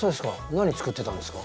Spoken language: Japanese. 何作ってたんですか？